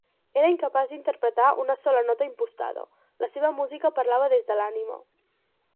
Era incapaç d'interpretar una sola nota impostada; la seva música parlava des de l'ànima.